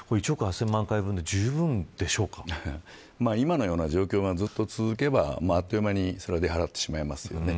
１億８０００万回分で今のような状況がずっと続けばあっという間に出払ってしまいますよね。